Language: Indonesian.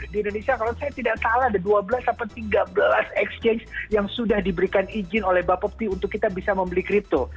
di indonesia kalau saya tidak salah ada dua belas tiga belas exchange yang sudah diberikan izin oleh bapepti untuk kita bisa membeli kripto